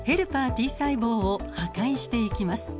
Ｔ細胞を破壊していきます。